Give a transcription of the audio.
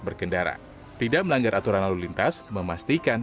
berkendara tidak melanggar aturan lalu lintas memastikan